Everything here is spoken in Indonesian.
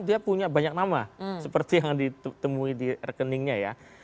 dia punya banyak nama seperti yang ditemui di rekeningnya ya